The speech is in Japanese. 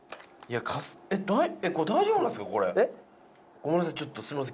ごめんなさいちょっとすいません。